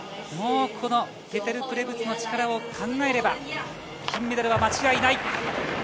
もうこのペテル・プレブツの力を考えれば、金メダルは間違いない。